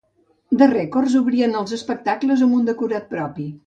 The Records obrien els espectacles amb un decorat propi.